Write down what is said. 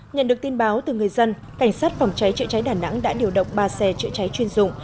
nhận được tin báo từ người dân cảnh sát phòng cháy chữa cháy đà nẵng đã điều động ba xe chữa cháy chuyên dụng